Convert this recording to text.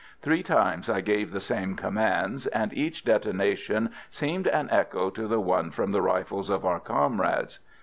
Three times I gave the same commands, and each detonation seemed an echo to the one from the rifles of our comrades.